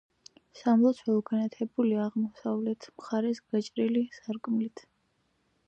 სამლოცველო განათებულია აღმოსავლეთ მხარეს გაჭრილი სარკმლით.